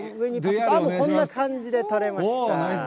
こんな感じで取れました。